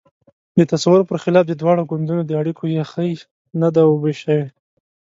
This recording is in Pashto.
د تصور پر خلاف د دواړو ګوندونو د اړیکو یخۍ نه ده اوبه شوې.